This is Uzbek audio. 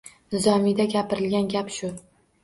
Nizomiyda gapirilgan gap shu.